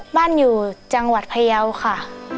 บ้านอยู่จังหวัดพยาวค่ะ